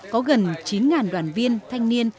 có gần chín đoàn viên thanh niên